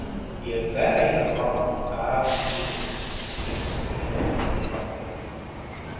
"If that ain't a bronc, I'll eat it," Pinkey declared, bluntly.